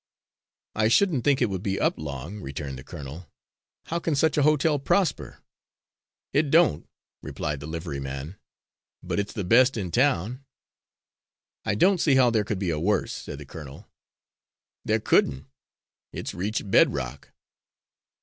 "I shouldn't think it would keep up long," returned the colonel. "How can such a hotel prosper?" "It don't!" replied the liveryman, "but it's the best in town." "I don't see how there could be a worse," said the colonel. "There couldn't it's reached bed rock."